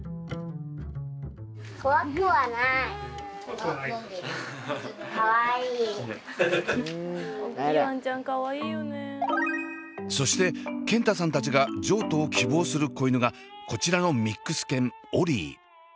健新くんそして健太さんたちが譲渡を希望する子犬がこちらのミックス犬オリィ。